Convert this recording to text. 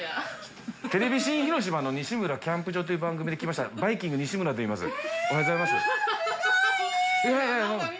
テレビ新広島の「西村キャンプ場」という番組で来ましたバイきんぐ西村といいます。